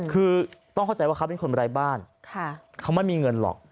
คือต้องเข้าใจว่าเขาเป็นคนไร้บ้านเขาไม่มีเงินหรอก